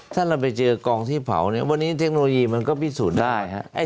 ถ้าเราไปเจอกองที่เผาเนี่ยวันนี้เทคโนโลยีมันก็พิสูจน์ได้ครับ